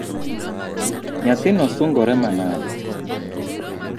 Nyathino sungore manade.